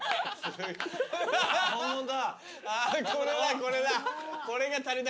これだこれだ。